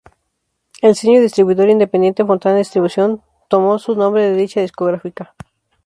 El sello distribuidor independiente Fontana Distribution tomó su nombre de dicha discográfica.